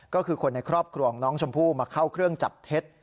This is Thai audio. ก็คือคนในครอบครัวของน้องชมพู่มาเข้าเครื่องจับเท็จ